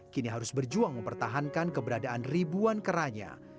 kini harus berjuang mempertahankan keberadaan ribuan keranya